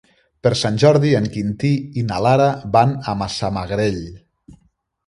Per Sant Jordi en Quintí i na Lara van a Massamagrell.